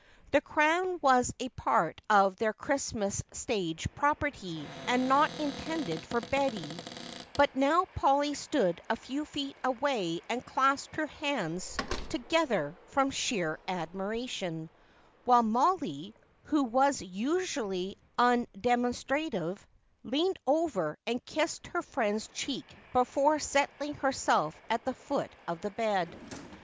The crown was a part of their Christmas stage property and not intended for Betty, but now Polly stood a few feet away and clasped her hands together from sheer admiration, while Mollie, who was usually undemonstrative, leaned over and kissed her friend's cheek before settling herself at the foot of the bed.